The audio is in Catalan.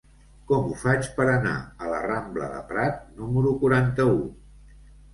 Com ho faig per anar a la rambla de Prat número quaranta-u?